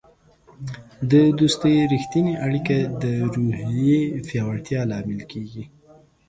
د دوستی رښتیني اړیکې د روحیې پیاوړتیا لامل کیږي.